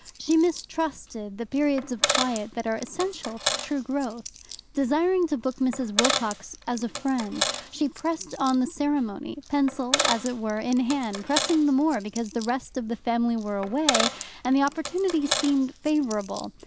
She mistrusted the periods of quiet that are essential to true growth. Desiring to book Mrs. Wilcox as a friend, she pressed on the ceremony, pencil, as it were, in hand, pressing the more because the rest of the family were away, and the opportunity seemed favourable.